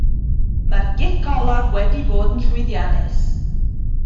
Mae'r gic olaf wedi bod yn llwyddiannus.